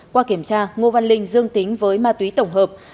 qua kiểm tra ngô văn linh dương tính với ma túy tổng hợp